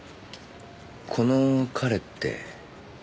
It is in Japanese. この“彼”って。